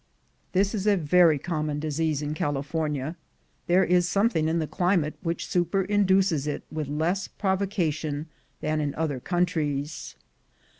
This is a very common disease in California: there is something in the climate which superinduces it with less provocation than in other countries.